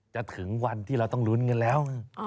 ถึงวันที่เราต้องลุ้นกันแล้ว